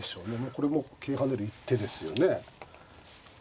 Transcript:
これもう桂跳ねる一手ですよね。